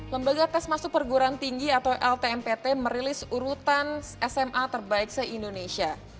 lembaga tes masuk perguruan tinggi atau ltmpt merilis urutan sma terbaik se indonesia